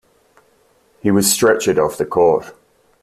He was stretchered off of the court.